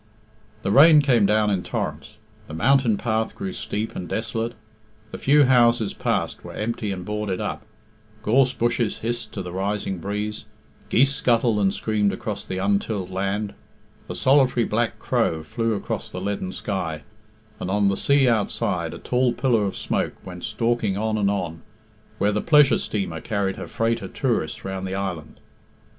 The rain came down in torrents, the mountain path grew steep and desolate, the few houses passed were empty and boarded up, gorse bushes hissed to the rising breeze, geese scuttled and screamed across the untilled land, a solitary black crow flew across the leaden sky, and on the sea outside a tall pillar of smoke went stalking on and on, where the pleasure steamer carried her freight of tourists round the island.